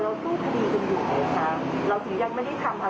แล้วฉันก็ไม่บอกไปเรียกมวลชนมา